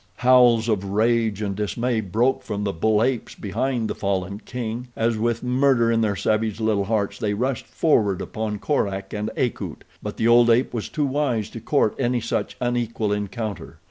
Howls of rage and dismay broke from the bull apes behind the fallen king, as with murder in their savage little hearts they rushed forward upon Korak and Akut; but the old ape was too wise to court any such unequal encounter.